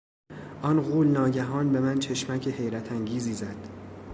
آن غول ناگهان به من چشمک حیرت انگیزی زد.